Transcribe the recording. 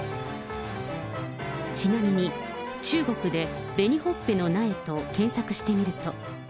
ちなみに中国で紅ほっぺの苗と検索してみると。